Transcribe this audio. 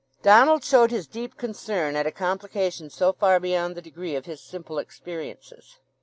Donald showed his deep concern at a complication so far beyond the degree of his simple experiences.